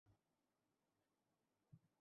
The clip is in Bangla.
এটা আমাদের একমাত্র সুযোগ।